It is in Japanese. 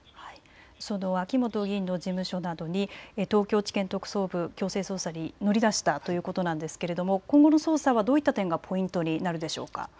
その秋本議員の事務所などに東京地検特捜部、強制捜査に乗り出したということですが今後の捜査は、どういった点がポイントになるでしょうか。